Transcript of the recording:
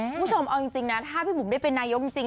คุณผู้ชมเอาจริงนะถ้าพี่บุ๋มได้เป็นนายกจริง